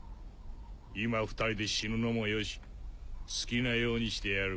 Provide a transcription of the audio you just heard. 今２人で死ぬのもよし好きなようにしてやる。